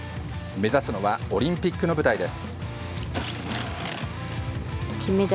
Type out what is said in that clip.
目指すのはオリンピックの舞台です。